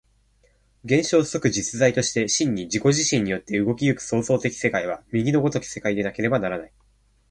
現象即実在として真に自己自身によって動き行く創造的世界は、右の如き世界でなければならない。